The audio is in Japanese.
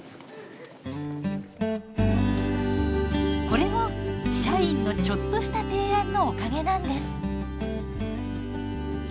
これも社員のちょっとした提案のおかげなんです。